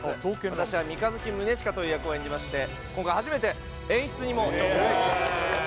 私は三日月宗近という役を演じまして今回初めて演出にも挑戦させていただいております